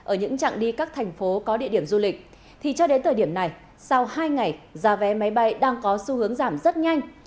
ở những trạng đi các thành phố có địa điểm du lịch thì cho đến thời điểm này sau hai ngày giá vé máy bay đang có xu hướng giảm rất nhanh